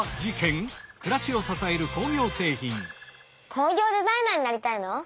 工業デザイナーになりたいの？